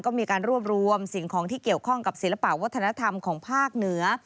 ก็มีการรวบรวมสิ่งของที่เกี่ยวข้องกับศิลปะวัฒนธรรมของภาคเหนือ